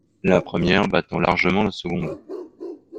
La première battant largement la seconde.